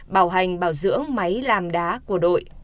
bảo hành bảo dưỡng máy làm đá của đội